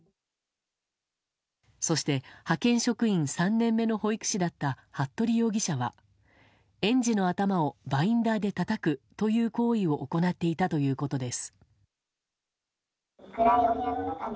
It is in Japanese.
そして、派遣職員３年目の保育士だった服部容疑者は園児の頭をバインダーでたたくという行為を行っていたということです。